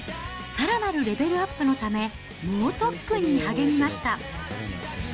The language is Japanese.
さらなるレベルアップのため、猛特訓に励みました。